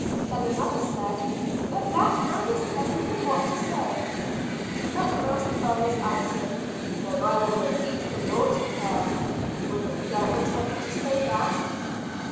Then another said, "The black man is telling him what to say." But Master Burroughs answered: "Then I will repeat the Lord's prayer. Would the Devil tell me to say that?"